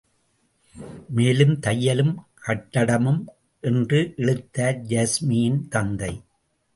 மேலும் தையலும் கட்டடமும்.. என்று இழுத்தார் யாஸ்மியின் தந்தை.